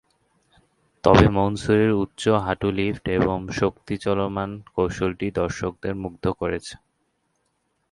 তবে মনসুরের উচ্চ হাঁটু-লিফট এবং শক্তি চলমান কৌশলটি দর্শকদের মুগ্ধ করেছে।